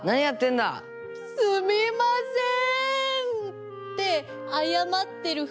すみません！